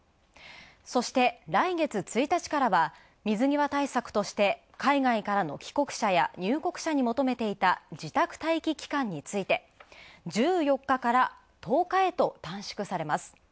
そして来月１日からは水際対策として海外からの帰国者や入国者に求めていた自宅待機期間について、１４日から１０日へと短縮されます。